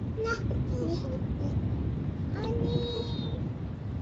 শুধু ভারতেই নয়, ব্রাজিল, হংকং, এমনকি যুক্তরাষ্ট্র পর্যন্ত পৌঁছে গেছে ধনদেবের অ্যালোভেরা।